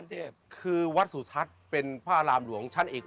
วัดสุทัศน์นี้จริงแล้วอยู่มากี่ปีตั้งแต่สมัยราชการไหนหรือยังไงครับ